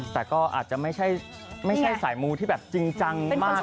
แต่ก็อาจจะไม่ใช่สายมูที่แบบจริงจังมาก